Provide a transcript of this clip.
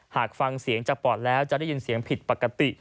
หากฟังเสียงจากปอดแล้วจะได้ยินเสียงผิดปกติ